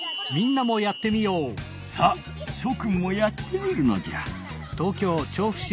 さあしょくんもやってみるのじゃ。